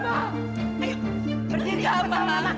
ayok berdiri mama berdiri mama